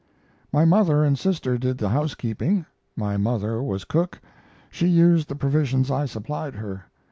"My mother and sister did the housekeeping. My mother was cook. She used the provisions I supplied her.